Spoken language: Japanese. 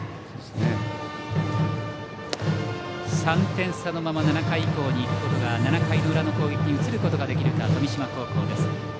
３点差のまま７回裏の攻撃に移ることができるか富島高校。